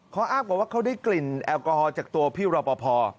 เขาอ้างบอกว่าเขาได้กลิ่นแอลกอฮอลจากตัวพี่รอปภ